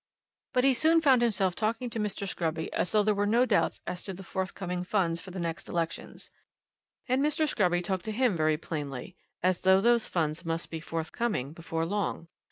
But he soon found himself talking to Mr. Scruby as though there were no doubts as to the forthcoming funds for the next elections. And Mr. Scruby talked to him very plainly, as though those funds must be forthcoming before long.